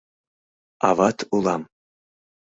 Ават улам...